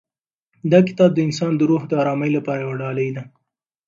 دا کتاب د انسان د روح د ارامۍ لپاره یوه ډالۍ ده.